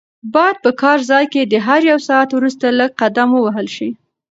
باید په کار ځای کې د هر یو ساعت وروسته لږ قدم ووهل شي.